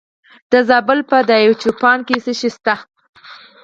د زابل په دایچوپان کې څه شی شته؟